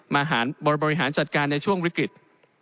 บริหารจัดการในช่วงวิกฤต